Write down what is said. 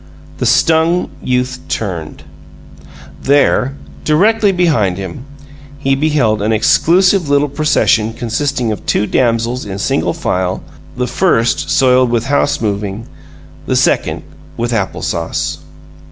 The stung youth turned. There, directly behind him, he beheld an exclusive little procession consisting of two damsels in single file, the first soiled with house moving, the second with apple sauce.